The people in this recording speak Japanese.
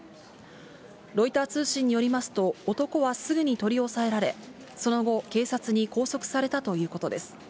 ロイター通信によりますと、男はすぐに取り押さえられ、その後、警察に拘束されたということです。